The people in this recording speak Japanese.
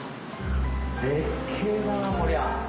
絶景だなこりゃ。